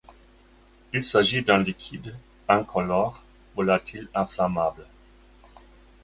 Il s'agit d'un liquide incolore volatil inflammable.